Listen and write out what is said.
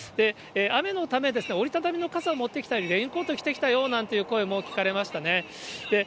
雨のため、折り畳みの傘を持ってきたり、レインコートを着てきたよという声も聞かれましたね。